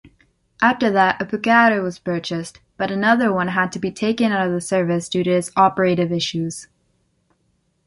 After that, a Pucará was purchased, but another one had to be taken out of service due to operative issues.